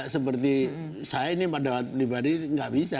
seperti saya ini pendapat pribadi tidak bisa